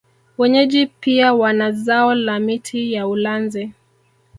Wenyeji pia wana zao la miti ya ulanzi